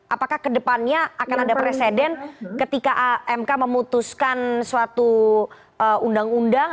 apakah kedepannya akan ada presiden ketika mk memutuskan suatu undang undang